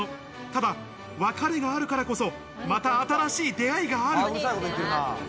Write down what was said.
ただ別れがあるからこそ、また新しい出会いがある。